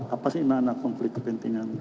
apa sih makna konflik kepentingan